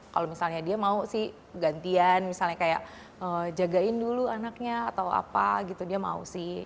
kalau misalnya dia mau sih gantian misalnya kayak jagain dulu anaknya atau apa gitu dia mau sih